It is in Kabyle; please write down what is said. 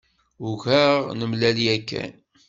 Ugaɣ nemlal yakan.